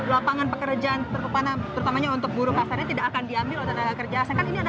lapangan pekerjaan terutamanya untuk buruh kasarnya tidak akan diambil oleh tenaga kerja asing